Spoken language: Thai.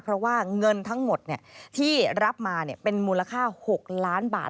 เพราะว่าเงินทั้งหมดที่รับมาเป็นมูลค่า๖ล้านบาท